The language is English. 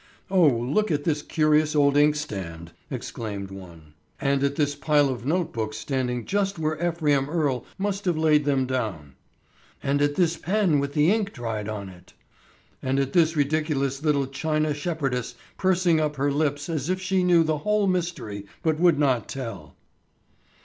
"Oh, look at this curious old inkstand!" exclaimed one. "And at this pile of note books standing just where Ephraim Earle must have laid them down!" "And at this pen with the ink dried on it!" "And at this ridiculous little China shepherdess pursing up her lips as if she knew the whole mystery but would not tell!"